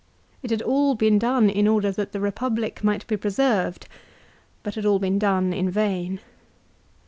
It had all been done in order that the Republic might be preserved, but had all been done in vain.